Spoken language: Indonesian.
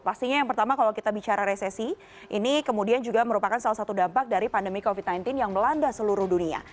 pastinya yang pertama kalau kita bicara resesi ini kemudian juga merupakan salah satu dampak dari pandemi covid sembilan belas yang melanda seluruh dunia